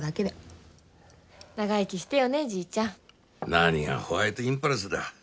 何がホワイトインパルスだ。